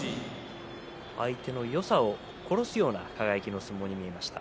相手のよさを殺すような輝の相撲に見えました。